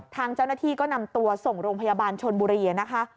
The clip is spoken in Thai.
ทางเจ้าหน้าที่ก็นำตัวส่งโรงพยาบาลชนบุรีนะคะ